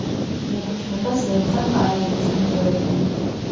მიეკუთვნება სერტან-პარაიბის მეზორეგიონს.